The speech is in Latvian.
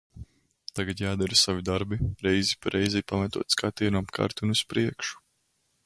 Tagad jādara savi darbi, reizi pa reizei pametot skatienu apkārt un uz priekšu.